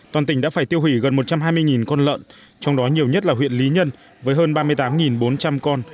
toàn tỉnh đã phải tiêu hủy gần một trăm hai mươi con lợn trong đó nhiều nhất là huyện lý nhân với hơn ba mươi tám bốn trăm linh con